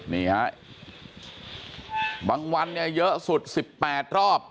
นี่ฮะบางวันเนี่ยเยอะสุด๑๘รอบ